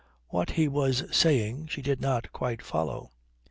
What he was saying she did not quite follow.